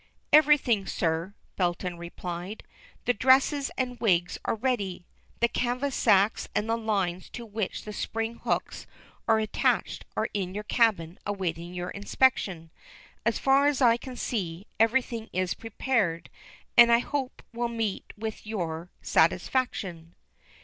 "Everything, sir," Belton replied. "The dresses and wigs are ready. The canvas sacks, and the lines to which the spring hooks are attached, are in your cabin awaiting your inspection. As far as I can see, everything is prepared, and I hope will meet with your satisfaction."